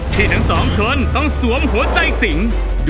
ทั้งสองคนต้องสวมหัวใจสิง